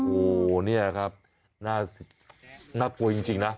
อ๋อโอ้โหนี่แหละครับน่ากลัวจริงนะ